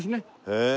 へえ。